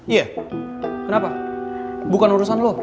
iya kenapa bukan urusan lo